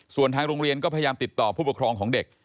ส่วนทางโรงเรียนก็พยายามติดต่อผู้ปกครองของเด็ก